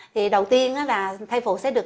thì đầu tiên là thai phụ sẽ được